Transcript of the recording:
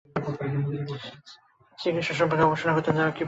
শ্রীকৃষ্ণ সম্পর্কে গবেষণা করতে যাওয়ার কী প্রয়োজন পড়লো তোর?